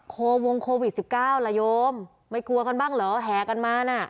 โควงโควิด๑๙ละโยมไม่กลัวกันบ้างเหรอแห่กันมาน่ะ